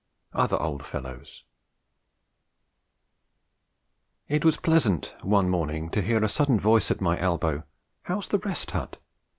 OTHER OLD FELLOWS It was pleasant one morning to hear a sudden voice at my elbow: 'How's the Rest Hut?'